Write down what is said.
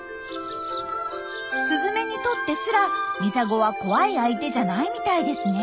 スズメにとってすらミサゴは怖い相手じゃないみたいですね。